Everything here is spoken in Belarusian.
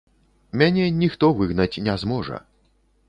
Мяне ніхто выгнаць не зможа.